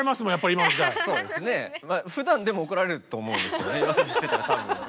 ふだんでも怒られると思うんですけど夜遊びしてたら多分。